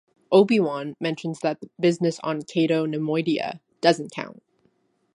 Obi-Wan mentions that that business on Cato Nemoidia doesn't count.